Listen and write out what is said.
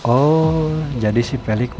oh jadi si pelik mau nyuruh lagi pak hargi